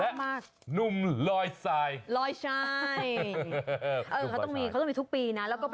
แต่อีกหนึ่งไฮไลท์ของงานนี้ก็คือ